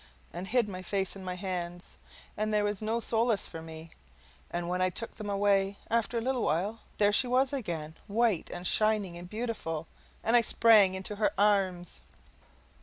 and hid my face in my hands, and there was no solace for me. And when I took them away, after a little, there she was again, white and shining and beautiful, and I sprang into her arms!